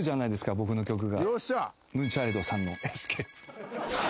僕の曲が。